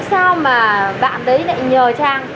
tại sao mà bạn đấy lại nhờ trang